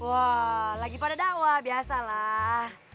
wow lagi pada dakwah biasa lah